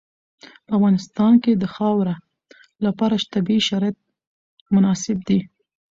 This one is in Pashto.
په افغانستان کې د خاوره لپاره طبیعي شرایط مناسب دي.